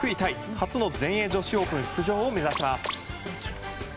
初の全英女子オープン出場を目指します。